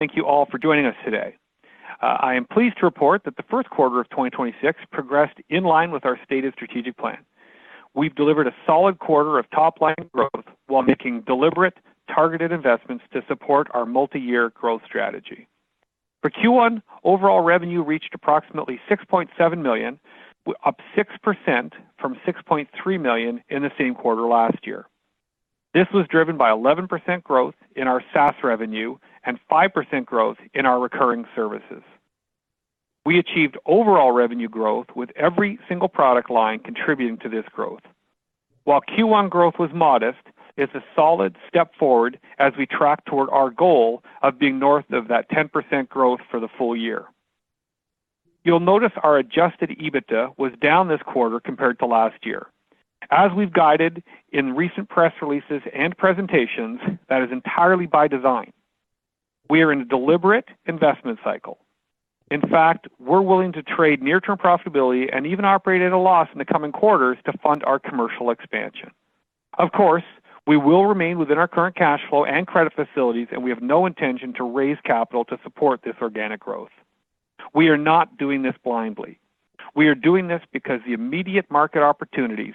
Thank you all for joining us today. I am pleased to report that the first quarter of 2026 progressed in line with our stated strategic plan. We've delivered a solid quarter of top-line growth while making deliberate, targeted investments to support our multi-year growth strategy. For Q1, overall revenue reached approximately 6.7 million, up 6% from 6.3 million in the same quarter last year. This was driven by 11% growth in our SaaS revenue and 5% growth in our recurring services. We achieved overall revenue growth with every single product line contributing to this growth. While Q1 growth was modest, it's a solid step forward as we track toward our goal of being north of that 10% growth for the full year. You'll notice our adjusted EBITDA was down this quarter compared to last year. As we've guided in recent press releases and presentations, that is entirely by design. We are in a deliberate investment cycle. In fact, we're willing to trade near-term profitability and even operate at a loss in the coming quarters to fund our commercial expansion. Of course, we will remain within our current cash flow and credit facilities, and we have no intention to raise capital to support this organic growth. We are not doing this blindly. We are doing this because the immediate market opportunities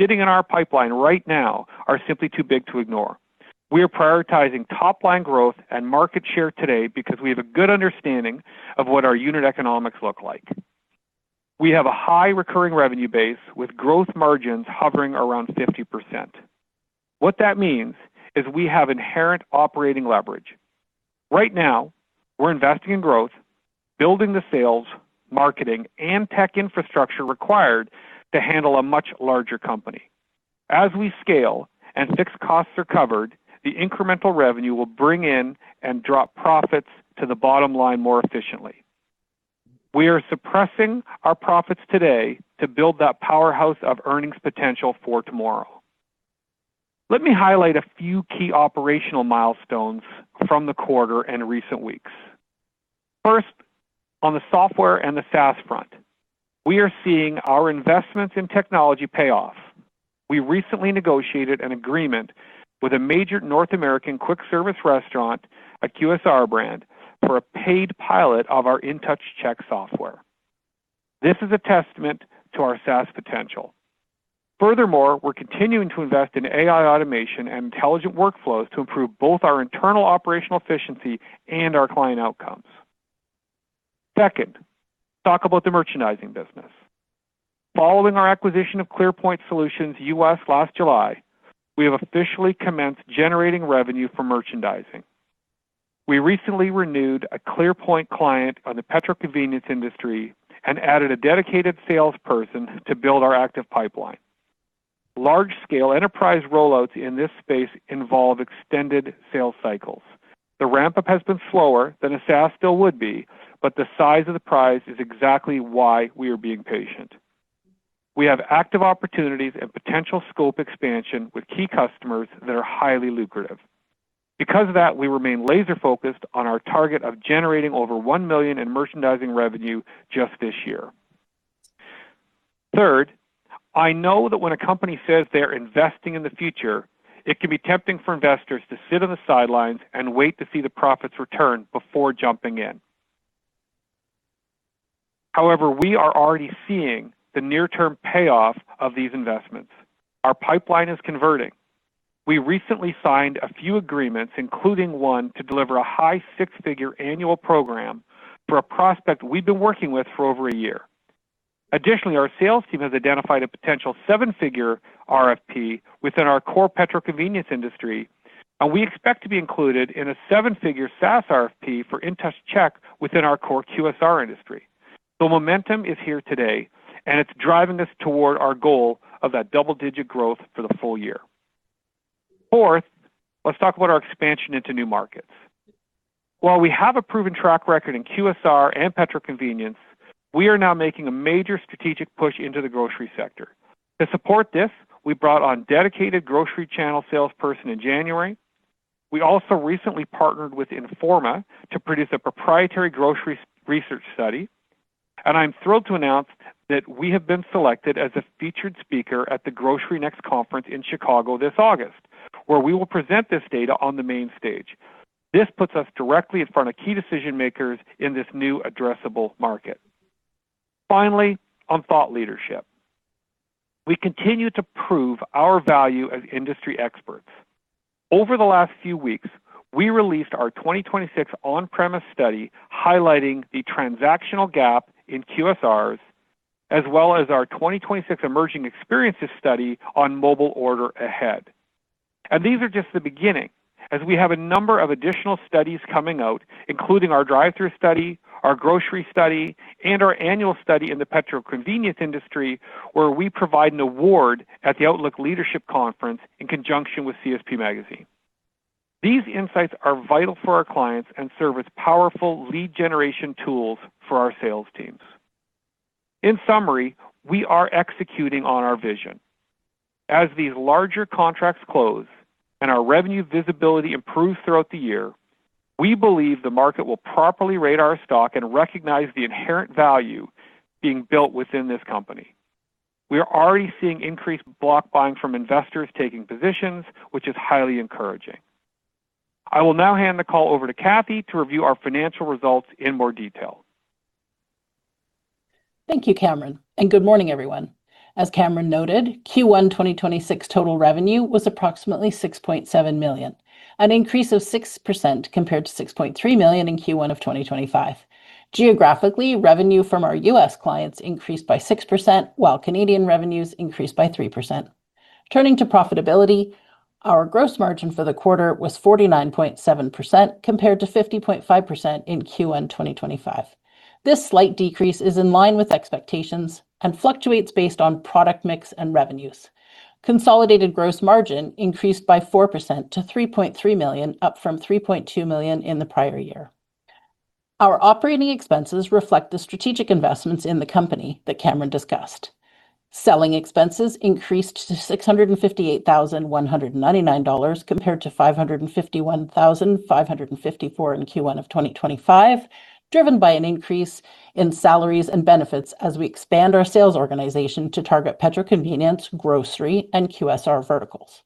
sitting in our pipeline right now are simply too big to ignore. We are prioritizing top-line growth and market share today because we have a good understanding of what our unit economics look like. We have a high recurring revenue base with growth margins hovering around 50%. What that means is we have inherent operating leverage. Right now, we're investing in growth, building the sales, marketing, and tech infrastructure required to handle a much larger company. As we scale and fixed costs are covered, the incremental revenue will bring in and drop profits to the bottom line more efficiently. We are suppressing our profits today to build that powerhouse of earnings potential for tomorrow. Let me highlight a few key operational milestones from the quarter and recent weeks. First, on the software and the SaaS front, we are seeing our investments in technology pay off. We recently negotiated an agreement with a major North American quick service restaurant, a QSR brand, for a paid pilot of our IntouchCheck software. This is a testament to our SaaS potential. Furthermore, we're continuing to invest in AI automation and intelligent workflows to improve both our internal operational efficiency and our client outcomes. Second, talk about the merchandising business. Following our acquisition of ClearPoint Solutions US last July, we have officially commenced generating revenue for merchandising. We recently renewed a ClearPoint client on the petro-convenience industry and added a dedicated salesperson to build our active pipeline. Large-scale enterprise rollouts in this space involve extended sales cycles. The ramp-up has been slower than a SaaS deal would be, but the size of the prize is exactly why we are being patient. We have active opportunities and potential scope expansion with key customers that are highly lucrative. Because of that, we remain laser-focused on our target of generating over 1 million in merchandising revenue just this year. Third, I know that when a company says they're investing in the future, it can be tempting for investors to sit on the sidelines and wait to see the profits return before jumping in. However, we are already seeing the near-term payoff of these investments. Our pipeline is converting. We recently signed a few agreements, including one to deliver a high six-figure annual program for a prospect we've been working with for over a year. Additionally, our sales team has identified a potential seven-figure RFP within our core petro-convenience industry, and we expect to be included in a seven-figure SaaS RFP for IntouchCheck within our core QSR industry. The momentum is here today, and it's driving us toward our goal of that double-digit growth for the full year. Fourth, let's talk about our expansion into new markets. While we have a proven track record in QSR and petro-convenience, we are now making a major strategic push into the grocery sector. To support this, we brought on dedicated grocery channel salesperson in January. We also recently partnered with Informa to produce a proprietary grocery research study. I'm thrilled to announce that we have been selected as a featured speaker at the GroceryNEXT conference in Chicago this August, where we will present this data on the main stage. This puts us directly in front of key decision-makers in this new addressable market. Finally, on thought leadership. We continue to prove our value as industry experts. Over the last few weeks, we released our 2026 On-Premises Study highlighting the transactional gap in QSRs, as well as our 2026 Emerging Experiences Study on mobile order-ahead. These are just the beginning, as we have a number of additional studies coming out, including our drive-thru study, our grocery study, and our annual study in the petro-convenience industry, where we provide an award at the Outlook Leadership Conference in conjunction with CSP Magazine. These insights are vital for our clients and serve as powerful lead generation tools for our sales teams. In summary, we are executing on our vision. As these larger contracts close and our revenue visibility improves throughout the year, we believe the market will properly rate our stock and recognize the inherent value being built within this company. We are already seeing increased block buying from investors taking positions, which is highly encouraging. I will now hand the call over to Cathy to review our financial results in more detail. Thank you, Cameron, and good morning, everyone. As Cameron noted, Q1 2026 total revenue was approximately 6.7 million, an increase of 6% compared to 6.3 million in Q1 of 2025. Geographically, revenue from our U.S. clients increased by 6%, while Canadian revenues increased by 3%. Turning to profitability, our gross margin for the quarter was 49.7% compared to 50.5% in Q1 2025. This slight decrease is in line with expectations and fluctuates based on product mix and revenues. Consolidated gross margin increased by 4% to 3.3 million, up from 3.2 million in the prior year. Our operating expenses reflect the strategic investments in the company that Cameron discussed. Selling expenses increased to 658,199 dollars compared to 551,554 in Q1 of 2025, driven by an increase in salaries and benefits as we expand our sales organization to target petro-convenience, grocery, and QSR verticals.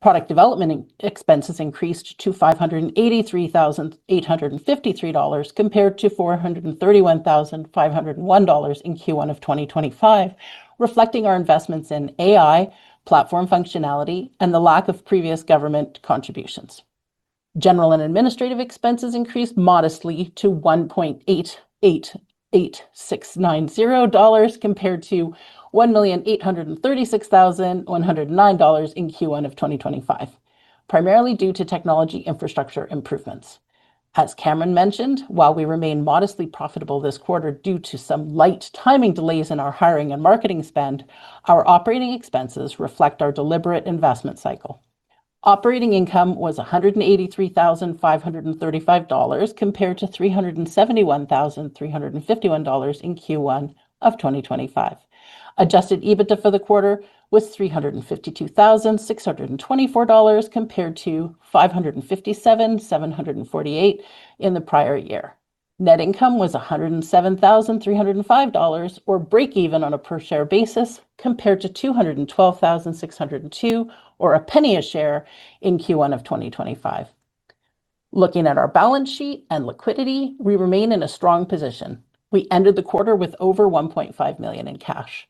Product development expenses increased to 583,853 dollars compared to 431,501 dollars in Q1 of 2025, reflecting our investments in AI, platform functionality, and the lack of previous government contributions. General and administrative expenses increased modestly to 1,888,690 dollars compared to 1,836,109 dollars in Q1 of 2025, primarily due to technology infrastructure improvements. As Cameron mentioned, while we remain modestly profitable this quarter due to some light timing delays in our hiring and marketing spend, our operating expenses reflect our deliberate investment cycle. Operating income was 183,535 dollars compared to 371,351 dollars in Q1 of 2025. Adjusted EBITDA for the quarter was 352,624 dollars, compared to 557,748 in the prior year. Net income was 107,305 dollars, or breakeven on a per-share basis, compared to 212,602 or CAD 0.01 a share in Q1 of 2025. Looking at our balance sheet and liquidity, we remain in a strong position. We ended the quarter with over 1.5 million in cash.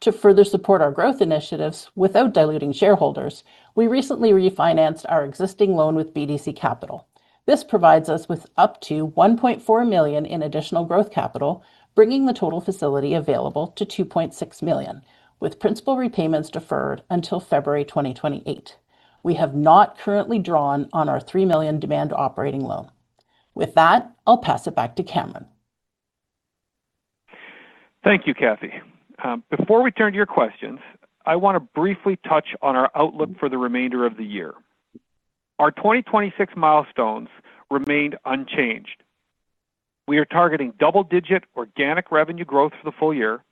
To further support our growth initiatives without diluting shareholders, we recently refinanced our existing loan with BDC Capital. This provides us with up to 1.4 million in additional growth capital, bringing the total facility available to 2.6 million, with principal repayments deferred until February 2028. We have not currently drawn on our 3 million demand operating loan. With that, I'll pass it back to Cameron. Thank you, Cathy. Before we turn to your questions, I want to briefly touch on our outlook for the remainder of the year. Our 2026 milestones remained unchanged. We are targeting double-digit organic revenue growth for the full year,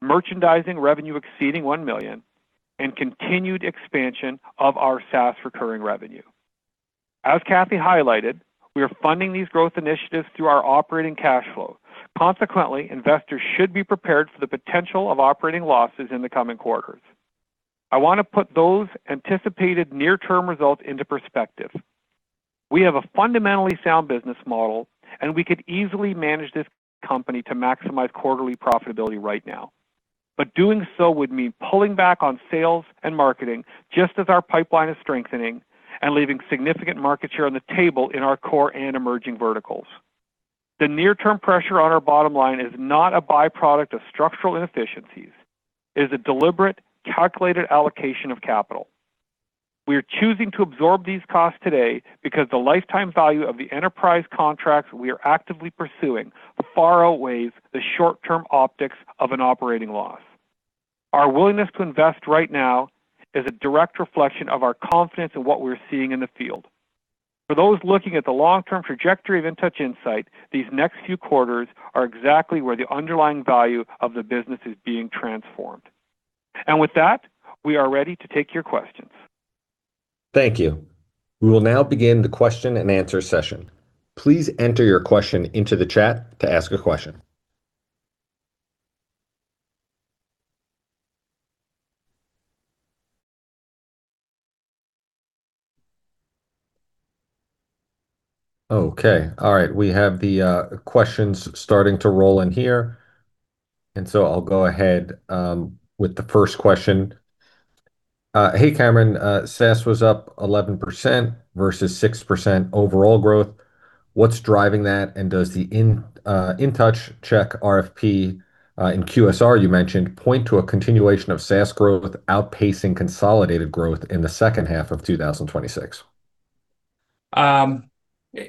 merchandising revenue exceeding 1 million, and continued expansion of our SaaS recurring revenue. As Cathy highlighted, we are funding these growth initiatives through our operating cash flow. Consequently, investors should be prepared for the potential of operating losses in the coming quarters. I want to put those anticipated near-term results into perspective. We have a fundamentally sound business model, and we could easily manage this company to maximize quarterly profitability right now. Doing so would mean pulling back on sales and marketing, just as our pipeline is strengthening, and leaving significant market share on the table in our core and emerging verticals. The near-term pressure on our bottom line is not a byproduct of structural inefficiencies. It is a deliberate, calculated allocation of capital. We are choosing to absorb these costs today because the lifetime value of the enterprise contracts we are actively pursuing far outweighs the short-term optics of an operating loss. Our willingness to invest right now is a direct reflection of our confidence in what we're seeing in the field. For those looking at the long-term trajectory of Intouch Insight, these next few quarters are exactly where the underlying value of the business is being transformed. With that, we are ready to take your questions. Thank you. We will now begin the question-and-answer session. Please enter your question into the chat to ask a question. Okay. All right. We have the questions starting to roll in here. I'll go ahead with the first question. Hey, Cameron. SaaS was up 11% versus 6% overall growth. What's driving that? Does the IntouchCheck RFP in QSR you mentioned point to a continuation of SaaS growth outpacing consolidated growth in the second half of 2026?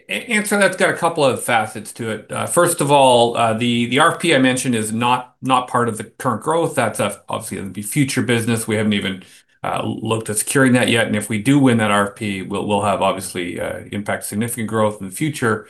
Answer: that's got a couple of facets to it. First of all, the RFP I mentioned is not part of the current growth. That's obviously going to be future business. We haven't even looked at securing that yet. If we do win that RFP, we'll have obviously impact significant growth in the future.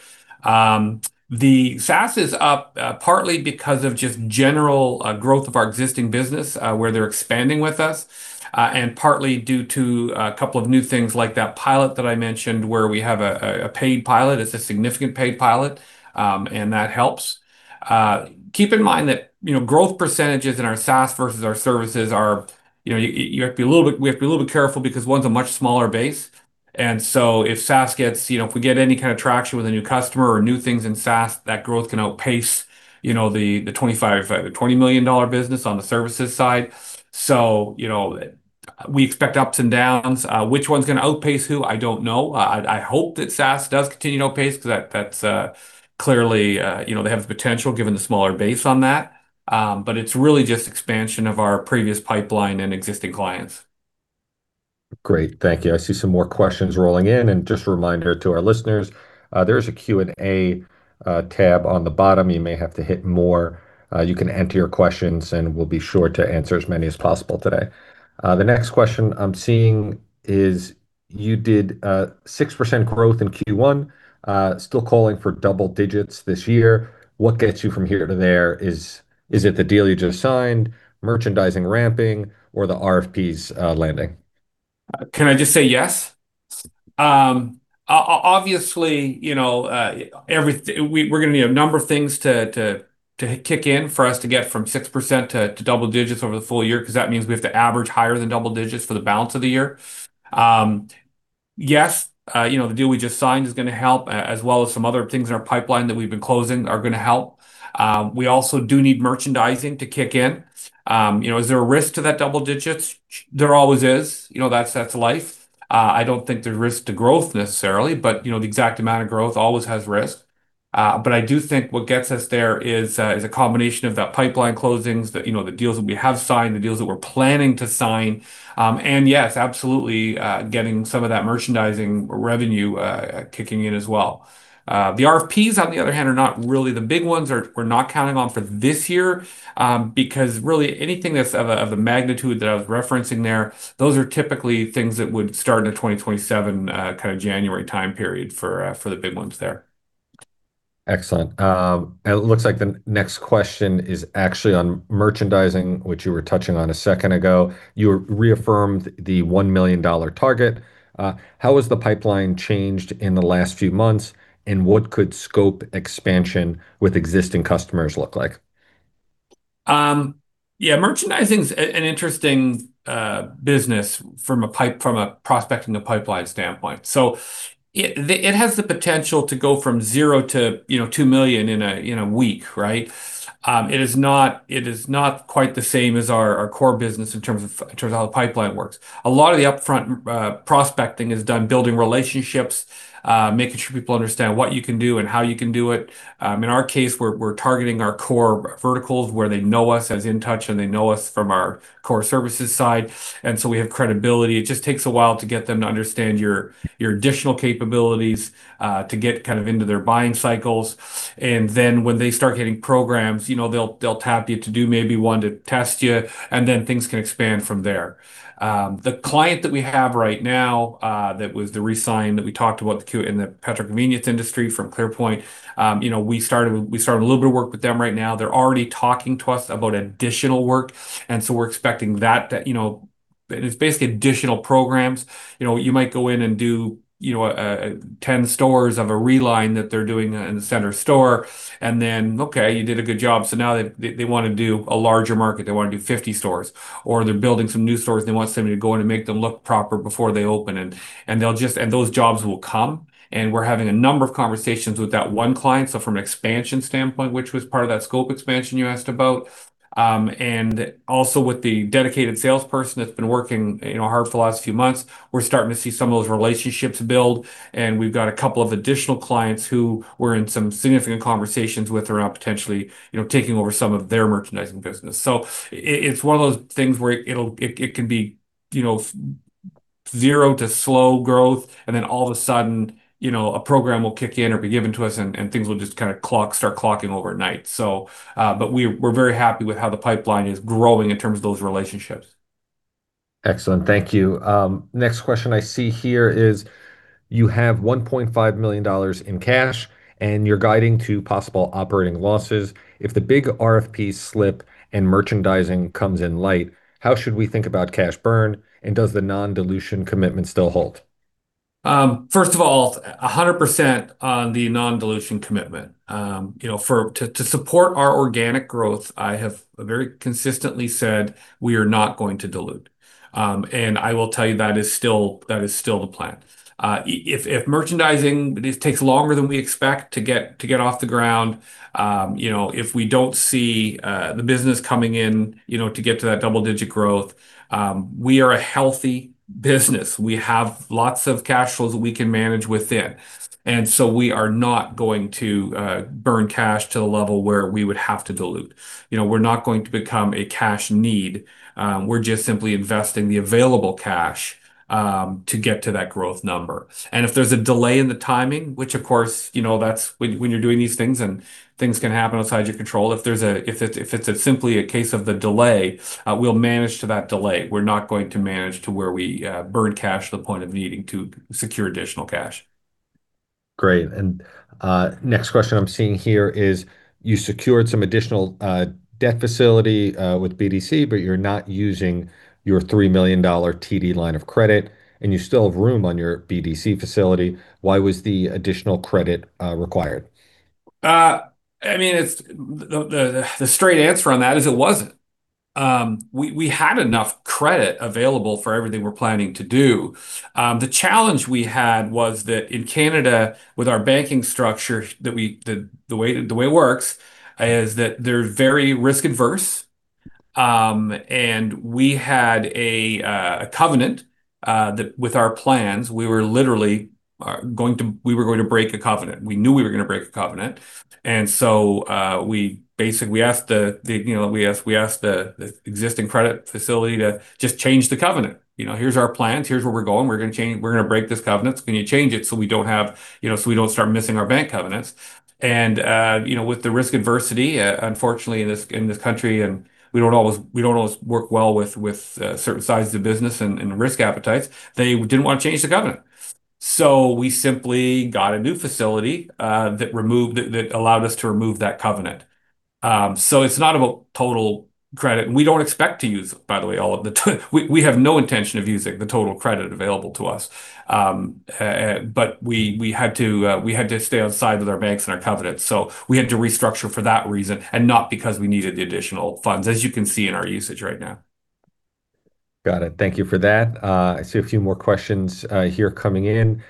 The SaaS is up partly because of just general growth of our existing business, where they're expanding with us, and partly due to a couple of new things like that pilot that I mentioned where we have a paid pilot. It's a significant paid pilot, and that helps. Keep in mind that growth percentages in our SaaS versus our services are. We have to be a little bit careful because one's a much smaller base. If SaaS gets, if we get any kind of traction with a new customer or new things in SaaS, that growth can outpace the 20 million dollar business on the services side. We expect ups and downs. Which one's going to outpace who? I don't know. I hope that SaaS does continue to outpace because that's clearly, they have the potential given the smaller base on that. It's really just expansion of our previous pipeline and existing clients. Great. Thank you. I see some more questions rolling in, and just a reminder to our listeners, there is a Q&A tab on the bottom. You may have to hit More. You can enter your questions, and we'll be sure to answer as many as possible today. The next question I'm seeing is, you did 6% growth in Q1, still calling for double digits this year. What gets you from here to there? Is it the deal you just signed, merchandising ramping, or the RFPs landing? Can I just say yes? Obviously, we're going to need a number of things to kick in for us to get from 6% to double digits over the full year, because that means we have to average higher than double digits for the balance of the year. Yes, the deal we just signed is going to help, as well as some other things in our pipeline that we've been closing are going to help. We also do need merchandising to kick in. Is there a risk to that double digits? There always is. That's life. I don't think there's risk to growth necessarily, but the exact amount of growth always has risk. I do think what gets us there is a combination of that pipeline closings, the deals that we have signed, the deals that we're planning to sign. Yes, absolutely, getting some of that merchandising revenue kicking in as well. The RFPs, on the other hand, are not really the big ones or we're not counting on for this year. Because really anything that's of the magnitude that I was referencing there, those are typically things that would start in a 2027 kind of January time period for the big ones there. Excellent. It looks like the next question is actually on merchandising, which you were touching on a second ago. You reaffirmed the 1 million dollar target. How has the pipeline changed in the last few months, and what could scope expansion with existing customers look like? Merchandising's an interesting business from a prospecting, the pipeline standpoint. It has the potential to go from 0 to 2 million in a week, right. It is not quite the same as our core business in terms of how the pipeline works. A lot of the upfront prospecting is done building relationships, making sure people understand what you can do and how you can do it. In our case, we're targeting our core verticals where they know us as Intouch, they know us from our core services side, we have credibility. It just takes a while to get them to understand your additional capabilities, to get kind of into their buying cycles. When they start hitting programs, they'll tap you to do maybe one to test you, things can expand from there. The client that we have right now, that was the re-sign that we talked about in the petro-convenience industry from ClearPoint. We started a little bit of work with them right now. They're already talking to us about additional work, and so we're expecting that. It's basically additional programs. You might go in and do 10 stores of a reline that they're doing in the center store. Okay, you did a good job, so now they want to do a larger market, they want to do 50 stores. They're building some new stores, and they want somebody to go in and make them look proper before they open in. Those jobs will come, and we're having a number of conversations with that one client. From an expansion standpoint, which was part of that scope expansion you asked about. Also with the dedicated salesperson that's been working hard for the last few months, we're starting to see some of those relationships build, and we've got a couple of additional clients who we're in some significant conversations with around potentially taking over some of their merchandising business. It's one of those things where it can be zero to slow growth, and then all of a sudden, a program will kick in or be given to us, and things will just kind of start clocking overnight. We're very happy with how the pipeline is growing in terms of those relationships. Excellent. Thank you. Next question I see here is, you have 1.5 million dollars in cash, and you're guiding to possible operating losses. If the big RFPs slip and merchandising comes in light, how should we think about cash burn, and does the non-dilution commitment still hold? First of all, 100% on the non-dilution commitment. To support our organic growth, I have very consistently said we are not going to dilute. I will tell you, that is still the plan. If merchandising takes longer than we expect to get off the ground, if we don't see the business coming in to get to that double-digit growth, we are a healthy business. We have lots of cash flows that we can manage within. We are not going to burn cash to the level where we would have to dilute. We're not going to become a cash need. We're just simply investing the available cash to get to that growth number. If there's a delay in the timing, which of course, when you're doing these things and things can happen outside your control. If it's simply a case of the delay, we'll manage to that delay. We're not going to manage to where we burn cash to the point of needing to secure additional cash. Great, next question I'm seeing here is, you secured some additional debt facility with BDC, but you're not using your 3 million dollar TD line of credit, and you still have room on your BDC facility. Why was the additional credit required? The straight answer on that is it wasn't. We had enough credit available for everything we're planning to do. The challenge we had was that in Canada, with our banking structure, the way it works is that they're very risk-averse. We had a covenant that with our plans, we were going to break a covenant. We knew we were going to break a covenant. We asked the existing credit facility to just change the covenant. Here's our plans. Here's where we're going. We're going to break this covenant. Can you change it so we don't start missing our bank covenants? With the risk adversity, unfortunately in this country, and we don't always work well with certain sizes of business and risk appetites, they didn't want to change the covenant. We simply got a new facility that allowed us to remove that covenant. It's not about total credit, and we don't expect to use, by the way. We have no intention of using the total credit available to us. We had to stay on side with our banks and our covenants. We had to restructure for that reason, and not because we needed the additional funds, as you can see in our usage right now. Got it. Thank you for that. I see a few more questions here coming in.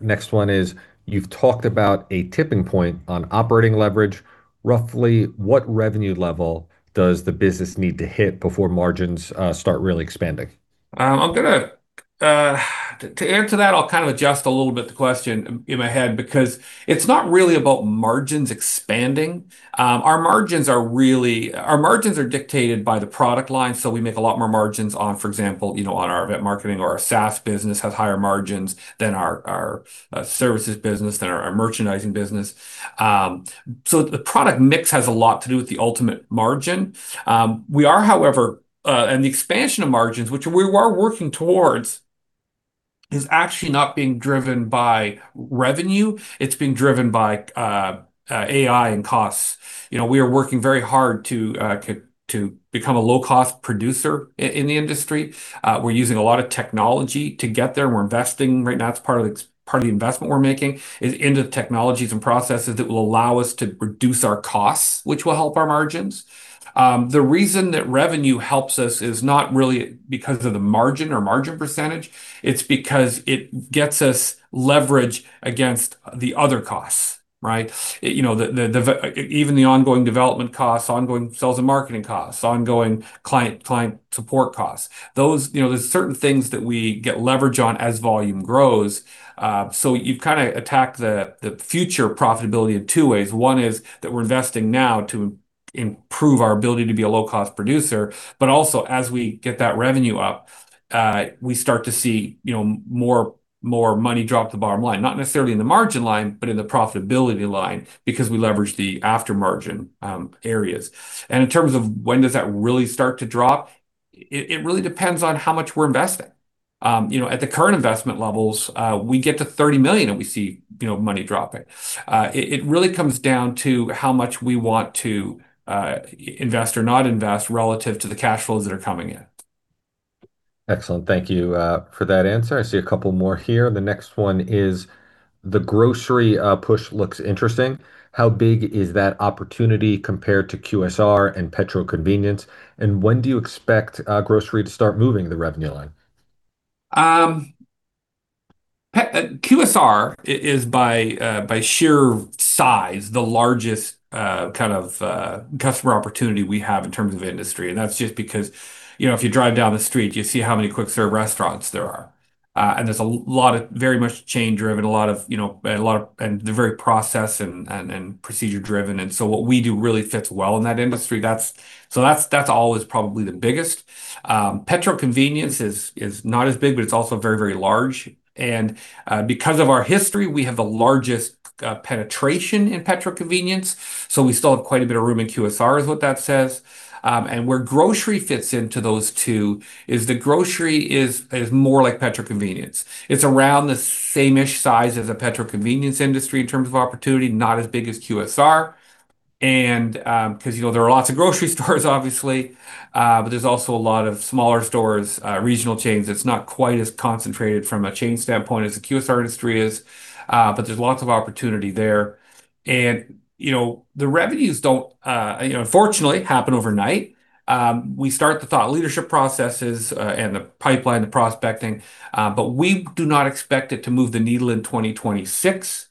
Next one is, "You've talked about a tipping point on operating leverage. Roughly what revenue level does the business need to hit before margins start really expanding? To answer that, I'll kind of adjust a little bit the question in my head, because it's not really about margins expanding. Our margins are dictated by the product line, so we make a lot more margins on, for example, on our event marketing or our SaaS business has higher margins than our services business, than our merchandising business. The product mix has a lot to do with the ultimate margin. The expansion of margins, which we are working towards, is actually not being driven by revenue. It's being driven by AI and costs. We are working very hard to become a low-cost producer in the industry. We're using a lot of technology to get there. We're investing right now. It's part of the investment we're making is into the technologies and processes that will allow us to reduce our costs, which will help our margins. The reason that revenue helps us is not really because of the margin or margin percentage. It's because it gets us leverage against the other costs, right? Even the ongoing development costs, ongoing sales and marketing costs, ongoing client support costs. There's certain things that we get leverage on as volume grows. You kind of attack the future profitability in two ways. One is that we're investing now to improve our ability to be a low-cost producer, but also as we get that revenue up, we start to see more money drop to the bottom line, not necessarily in the margin line, but in the profitability line, because we leverage the after-margin areas. In terms of when does that really start to drop, it really depends on how much we're investing. At the current investment levels, we get to 30 million, and we see money dropping. It really comes down to how much we want to invest or not invest relative to the cash flows that are coming in. Excellent. Thank you for that answer. I see a couple more here. The next one is, "The grocery push looks interesting. How big is that opportunity compared to QSR and petro-convenience, and when do you expect grocery to start moving the revenue line? QSR is, by sheer size, the largest kind of customer opportunity we have in terms of industry, that's just because if you drive down the street, you see how many quick-serve restaurants there are. There's a lot of very much chain-driven, and they're very process and procedure-driven, and so what we do really fits well in that industry. That's always probably the biggest. Petro-convenience is not as big, but it's also very, very large. Because of our history, we have the largest penetration in petro-convenience, so we still have quite a bit of room in QSR, is what that one says. Where grocery fits into those two is that grocery is more like petro-convenience. It's around the same-ish size as the petro-convenience industry in terms of opportunity, not as big as QSR. There are lots of grocery stores, obviously, but there's also a lot of smaller stores, regional chains that's not quite as concentrated from a chain standpoint as the QSR industry is. There's lots of opportunity there. The revenues don't, unfortunately, happen overnight. We start the thought leadership processes, and the pipeline, the prospecting, we do not expect it to move the needle in 2026.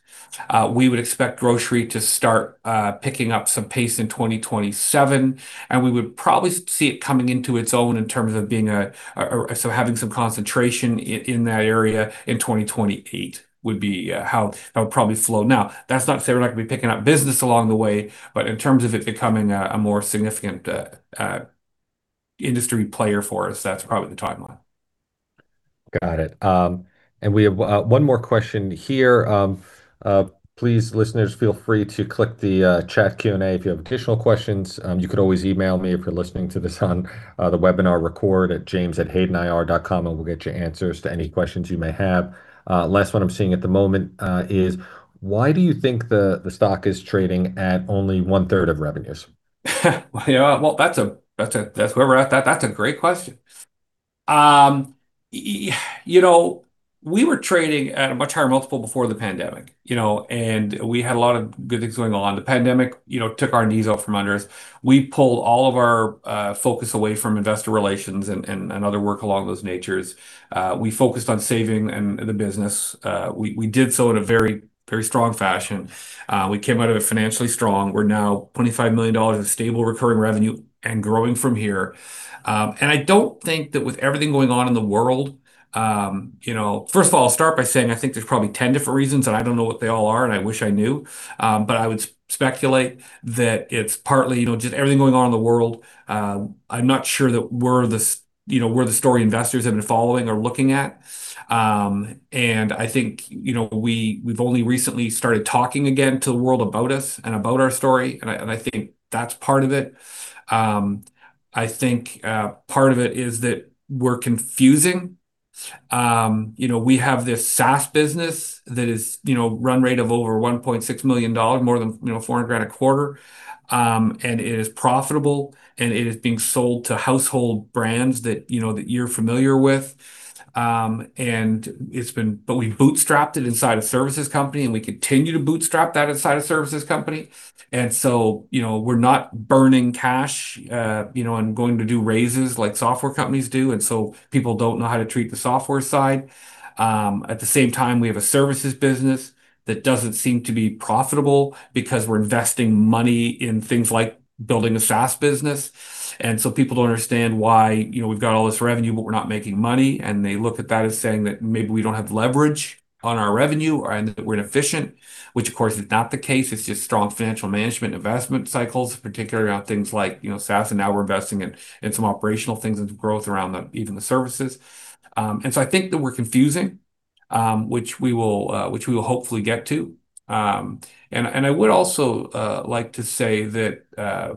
We would expect grocery to start picking up some pace in 2027, we would probably see it coming into its own in terms of having some concentration in that area in 2028, would be how it would probably flow. Now, that's not to say we're not going to be picking up business along the way, in terms of it becoming a more significant industry player for us, that's probably the timeline. Got it. We have one more question here. Please, listeners, feel free to click the chat Q&A if you have additional questions. You could always email me if you're listening to this on the webinar record at james@haydenir.com, and we'll get you answers to any questions you may have. Last one I'm seeing at the moment is, "Why do you think the stock is trading at only 1/3 of revenues?" Yeah. Well, whoever asked that's a great question. We were trading at a much higher multiple before the pandemic, we had a lot of good things going on. The pandemic took our knees out from under us. We pulled all of our focus away from investor relations and other work along those natures. We focused on saving the business. We did so in a very strong fashion. We came out of it financially strong. We're now 25 million dollars of stable recurring revenue and growing from here. I don't think that with everything going on in the world. First of all, I'll start by saying I think there's probably 10 different reasons, and I don't know what they all are, and I wish I knew. I would speculate that it's partly just everything going on in the world. I'm not sure that we're the story investors have been following or looking at. I think we've only recently started talking again to the world about us and about our story, I think that's part of it. I think part of it is that we're confusing. We have this SaaS business that is run rate of over 1.6 million dollars, more than 400,000 a quarter. It is profitable, and it is being sold to household brands that you're familiar with. We bootstrapped it inside a services company, and we continue to bootstrap that inside a services company. We're not burning cash, and going to do raises like software companies do. People don't know how to treat the software side. At the same time, we have a services business that doesn't seem to be profitable because we're investing money in things like building a SaaS business. People don't understand why we've got all this revenue, but we're not making money. They look at that as saying that maybe we don't have leverage on our revenue and that we're inefficient, which of course, is not the case. It's just strong financial management investment cycles, particularly around things like SaaS, and now we're investing in some operational things and growth around even the services. I think that we're confusing, which we will hopefully get to. I would also like to say that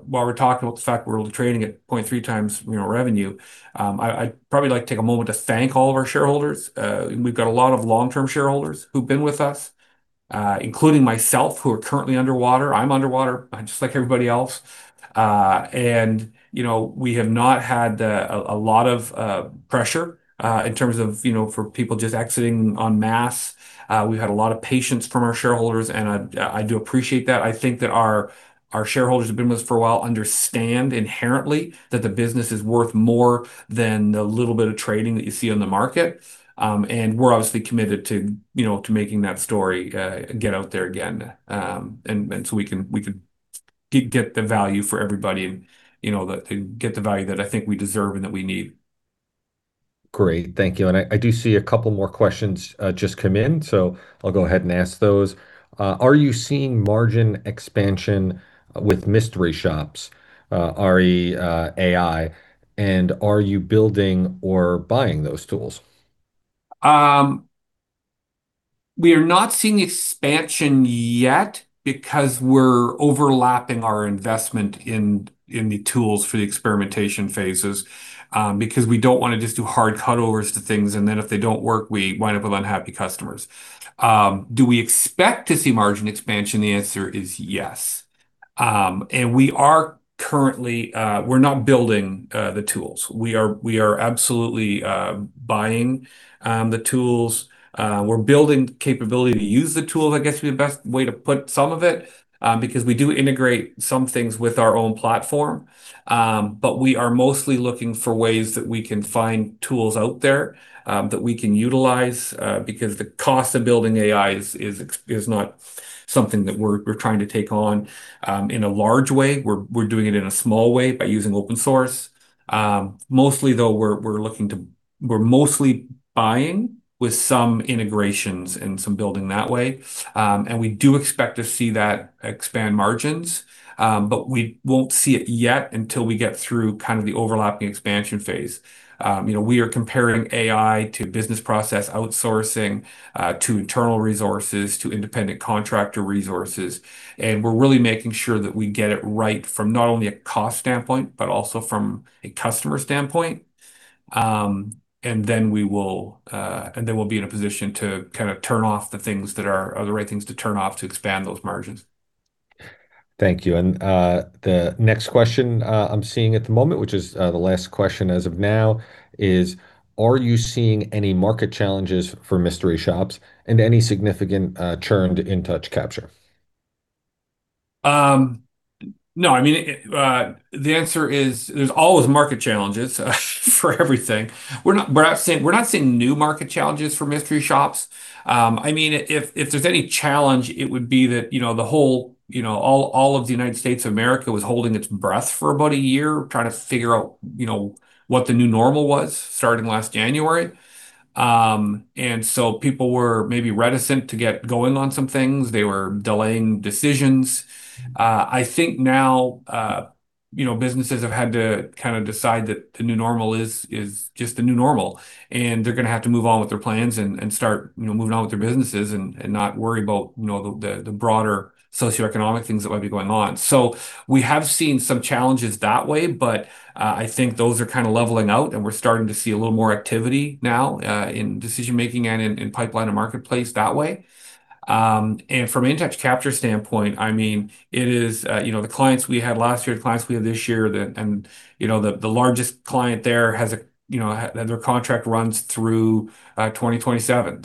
while we're talking about the fact we're only trading at 0.3x revenue, I'd probably like to take a moment to thank all of our shareholders. We've got a lot of long-term shareholders who've been with us, including myself, who are currently underwater. I'm underwater, just like everybody else. We have not had a lot of pressure in terms of for people just exiting en masse. We've had a lot of patience from our shareholders, and I do appreciate that. I think that our shareholders who have been with us for a while understand inherently that the business is worth more than the little bit of trading that you see on the market. We're obviously committed to making that story get out there again. We could get the value for everybody and get the value that I think we deserve and that we need. Great. Thank you. I do see a couple more questions just come in, so I'll go ahead and ask those. Are you seeing margin expansion with mystery shops re AI, and are you building or buying those tools? We are not seeing expansion yet because we're overlapping our investment in the tools for the experimentation phases, because we don't want to just do hard cutovers to things, and then if they don't work, we wind up with unhappy customers. Do we expect to see margin expansion? The answer is yes. We're not building the tools. We are absolutely buying the tools. We're building capability to use the tool, I guess would be the best way to put some of it, because we do integrate some things with our own platform. We are mostly looking for ways that we can find tools out there that we can utilize, because the cost of building AI is not something that we're trying to take on in a large way. We're doing it in a small way by using open source. Mostly, though, we're mostly buying with some integrations and some building that way. We do expect to see that expand margins. We won't see it yet until we get through kind of the overlapping expansion phase. We are comparing AI to business process outsourcing, to internal resources, to independent contractor resources. We're really making sure that we get it right from not only a cost standpoint, but also from a customer standpoint. We'll be in a position to kind of turn off the things that are the right things to turn off to expand those margins. Thank you. The next question I'm seeing at the moment, which is the last question as of now, is are you seeing any market challenges for mystery shops and any significant churn to IntouchCapture? No. The answer is there's always market challenges for everything. We're not seeing new market challenges for mystery shops. If there's any challenge, it would be that all of the United States of America was holding its breath for about a year trying to figure out what the new normal was starting last January. People were maybe reticent to get going on some things. They were delaying decisions. I think now businesses have had to kind of decide that the new normal is just the new normal, and they're going to have to move on with their plans and start moving on with their businesses and not worry about the broader socioeconomic things that might be going on. We have seen some challenges that way, but I think those are kind of leveling out, and we're starting to see a little more activity now in decision-making and in pipeline and marketplace that way. From IntouchCapture standpoint, the clients we had last year, the clients we have this year, and the largest client there, their contract runs through 2027.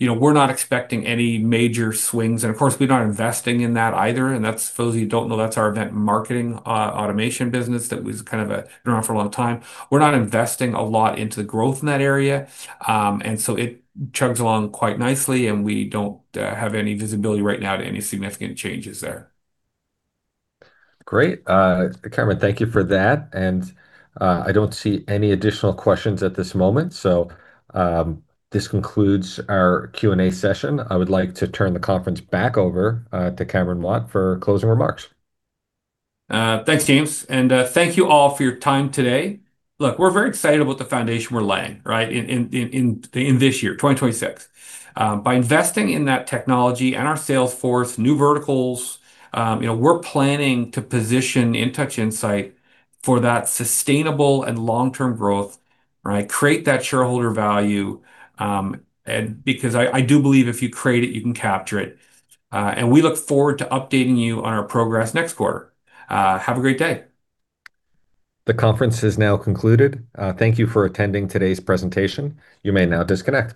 We're not expecting any major swings. Of course, we're not investing in that either. For those of you who don't know, that's our event marketing automation business that has kind of been around for a long time. We're not investing a lot into the growth in that area. It chugs along quite nicely, and we don't have any visibility right now to any significant changes there. Great. Cameron, thank you for that. I don't see any additional questions at this moment, so this concludes our Q&A session. I would like to turn the conference back over to Cameron Watt for closing remarks. Thanks, James. Thank you all for your time today. Look, we're very excited about the foundation we're laying, right, in this year, 2026. By investing in that technology and our sales force, new verticals, we're planning to position Intouch Insight for that sustainable and long-term growth. Create that shareholder value, because I do believe if you create it, you can capture it. We look forward to updating you on our progress next quarter. Have a great day. The conference is now concluded. Thank you for attending today's presentation. You may now disconnect.